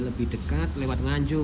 lebih dekat lewat nganjuk